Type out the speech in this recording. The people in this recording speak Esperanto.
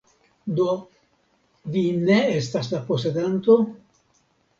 Do vi ne estas la posedanto?